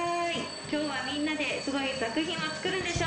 きょうはみんなですごい作品を作るんでしょ？